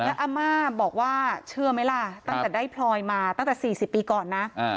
แล้วอาม่าบอกว่าเชื่อไหมล่ะตั้งแต่ได้พลอยมาตั้งแต่๔๐ปีก่อนนะ